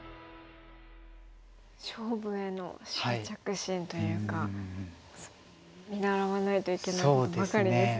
勝負への執着心というか見習わないといけないことばかりですね。